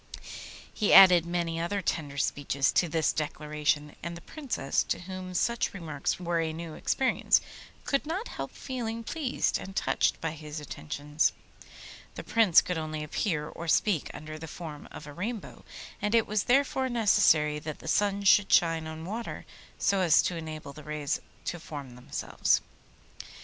He added many other tender speeches to this declaration, and the Princess, to whom such remarks were a new experience, could not help feeling pleased and touched by his attentions. The Prince could only appear or speak under the form of a Rainbow, and it was therefore necessary that the sun should shine on water so as to enable the rays to form themselves.